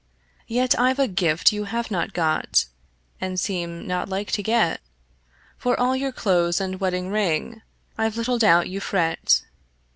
Yet I've a gift you have not got, And seem not like to get: For all your clothes and wedding ring I've little doubt you fret.